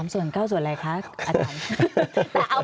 ส่วน๙ส่วนอะไรคะอาจารย์